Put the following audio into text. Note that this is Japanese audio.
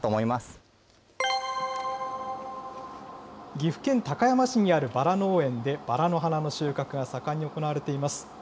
岐阜県高山市にあるバラ農園でバラの花の収穫が盛んに行われています。